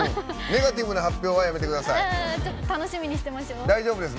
ネガティブな発表はやめてください。